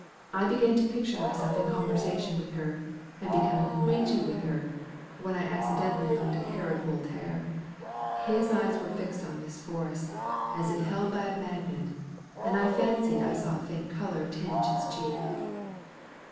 I began to picture myself in conversation with her, and becoming acquainted with her, when I accidentally looked at Herod Voltaire. His eyes were fixed on Miss Forrest, as if held by a magnet, and I fancied I saw a faint colour tinge his cheek.